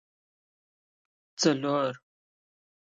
څلور